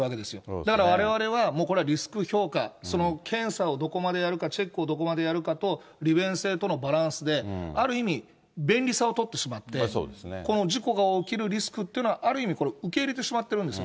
だから我々はもうこれ、リスク評価、その検査をどこまでやるか、チェックをどこまでやるかと、利便性とのバランスで、ある意味、便利さを取ってしまって、この事故が起きるリスクというのはある意味、これを受け入れてしまっているんですよ。